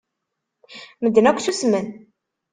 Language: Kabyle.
Medden akk ssusmen.